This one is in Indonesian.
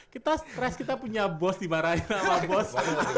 kita stress kita punya bos dimarahin sama bos